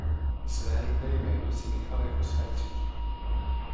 Své rodné jméno si nechal jako své třetí.